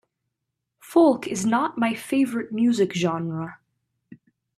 Folk is not my favorite music genre.